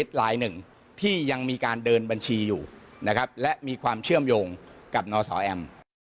ลายหนึ่งที่ยังมีการเดินบัญชีอยู่นะครับและมีความเชื่อมโยงกับนสแอม